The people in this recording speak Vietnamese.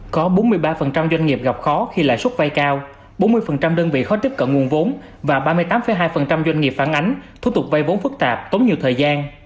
có bốn mươi ba doanh nghiệp gặp khó khi lại suất vay cao bốn mươi đơn vị khó tiếp cận nguồn vốn và ba mươi tám hai doanh nghiệp phản ánh thu tục vay vốn phức tạp tốn nhiều thời gian